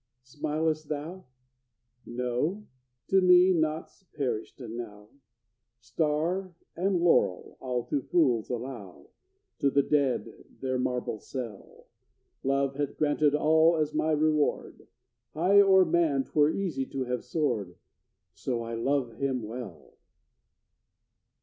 Smil'st thou? No? to me naught's perished now! Star and laurel I'll to fools allow, To the dead their marble cell; Love hath granted all as my reward, High o'er man 'twere easy to have soared, So I love him well!